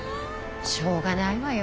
しょうがないわよ。